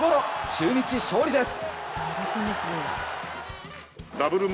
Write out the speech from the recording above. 中日、勝利です。